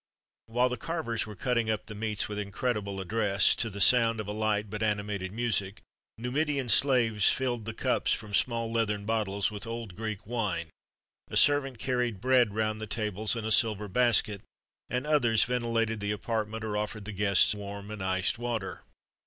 While the carvers were cutting up the meats with incredible address, to the sound of a light but animated music, Numidian slaves filled the cups from small leathern bottles with old Greek wine,[XXXV 68] a servant carried bread round the tables in a silver basket,[XXXV 69] and others ventilated the apartment,[XXXV 70] or offered the guests warm and iced water.